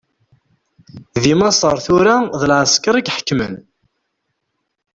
Deg Maṣer tura d lɛesker i iḥekmen.